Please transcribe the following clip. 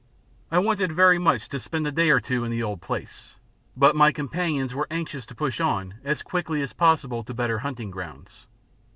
I wanted very much to spend a day or two in the old place, but my companions were anxious to push on as quickly as possible to better hunting grounds.